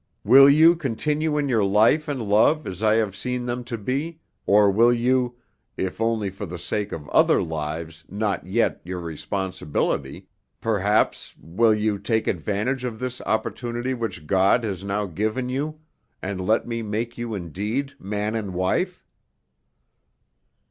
Will you continue in your life and love as I have seen them to be, or will you, if only for the sake of other lives not yet your responsibility perhaps, will you take advantage of this opportunity which God has now given you and let me make you indeed man and wife?"